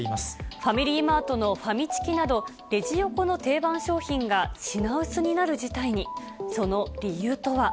ファミリーマートのファミチキなど、レジ横の定番商品が品薄になる事態に。